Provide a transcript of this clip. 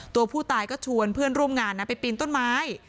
ตัวผู้ตายก็ชวนเพื่อนร่วมงานนะไปปีนต้นไม้